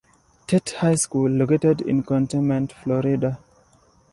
Tate High School, located in Cantonment, Florida.